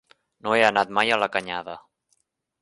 No he anat mai a la Canyada.